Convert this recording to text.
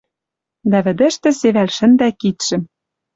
Дӓ вӹдӹштӹ севӓл шӹндӓ кидшӹм